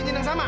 edo kamu salah